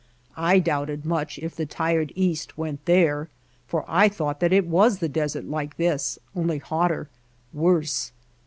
I doubted much if the tired east went there for I thought that it was the desert like this, only hotter, worse.